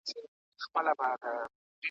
بې هنرو دي د ښار کوڅې نیولي `